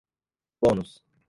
bônus